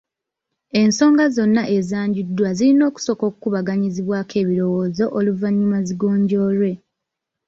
Ensonga zonna ezanjuddwa zirina okusooka okukubaganyizibwako ebirowoozo oluvannyuma zigonjoolwe.